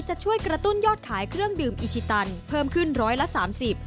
จะช่วยกระตุ้นยอดขายเครื่องดื่มอิชิตันเพิ่มขึ้น๑๓๐บาท